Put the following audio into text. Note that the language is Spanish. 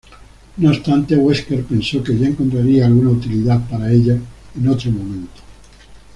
No obstante, Wesker pensó que ya encontraría alguna utilidad para ella en otro momento.